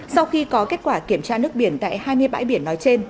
sau khi có kết quả kiểm tra nước biển tại hai mươi bãi biển nói trên